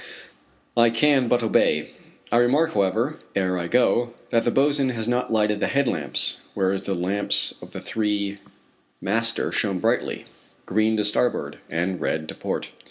I can but obey. I remark, however, ere I go, that the boatswain has not lighted the head lamps, whereas the lamps of the three master shine brightly green to starboard, and red to port.